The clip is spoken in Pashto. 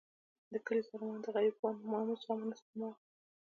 د کلي ظالمانو د غریبانو ناموس هم ونه سپماوه.